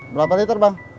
berapa liter bang